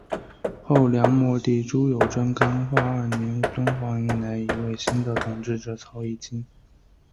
后梁末帝朱友贞干化二年敦煌迎来一位新的统治者曹议金。